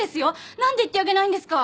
何で行ってあげないんですか。